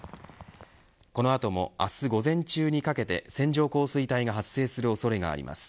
この後も明日午前中にかけて線状降水帯が発生する恐れがあります。